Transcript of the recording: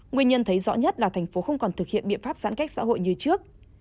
nguyên nhân thấy rõ nhất là thành phố không còn thực hiện biện pháp giãn cách xã hội như trước